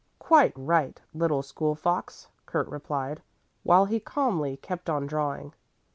"Quite right, little school fox," Kurt replied, while he calmly kept on drawing.